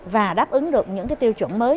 và đáp ứng được những cái tiêu chuẩn mới